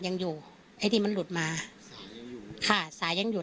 ยังอยู่ไอ้ที่มันหลุดมาค่ะสายยังอยู่